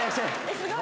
・すごい。